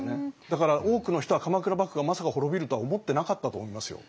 だから多くの人は鎌倉幕府がまさか滅びるとは思ってなかったと思いますよ。